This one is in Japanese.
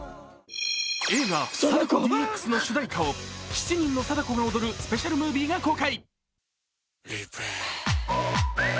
映画「貞子ＤＸ」の主題歌を７人の貞子が踊るスペシャルムービーが公開。